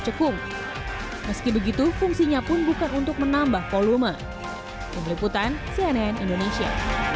cekung meski begitu fungsinya pun bukan untuk menambah volume tim liputan cnn indonesia